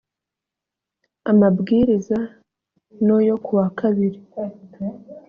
amabwiriza no yo kuwa kabiri